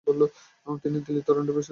তিনি দিল্লী এবং টরন্টো-তে বসবাস করেন।